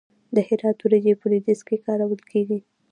د هرات وریجې په لویدیځ کې کارول کیږي.